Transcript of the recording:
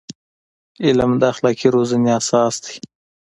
علم د اخلاقي روزنې اساس دی.